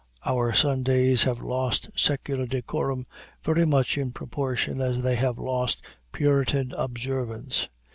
Our Sundays have lost secular decorum very much in proportion as they have lost Puritan observance.